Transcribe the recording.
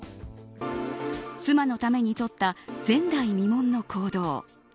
妻のためにとった前代未聞の行動。